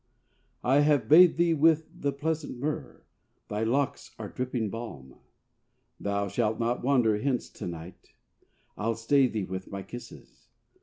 I have bathed thee with the pleasant myrrh; Thy locks are dripping balm; Thou shalt not wander hence to night, I'll stay thee with my kisses.